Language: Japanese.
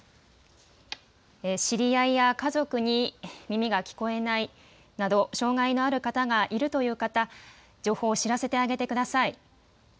知り合いや家族に耳が聞こえないなど障害のある方がいるという方情報を知らせてあげてください。